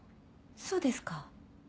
そうですか。